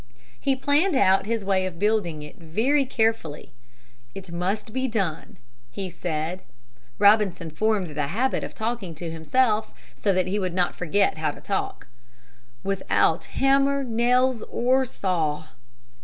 He planned out his way of building it very carefully. "It must be done," he said (Robinson formed the habit of talking to himself, so that he would not forget how to talk), "without hammer, nails, or saw."